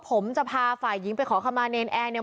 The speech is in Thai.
ผมจะพาฝ่ายหญิงไปขอคำมาเนรนแอร์เนี่ย